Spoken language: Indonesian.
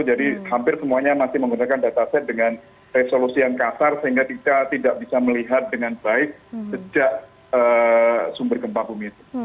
jadi hampir semuanya masih menggunakan data set dengan resolusi yang kasar sehingga kita tidak bisa melihat dengan baik sejak sumber kembang bumi itu